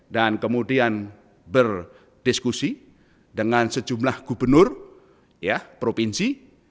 dan kemudian berdiskusi dengan sejumlah gubernur provinsi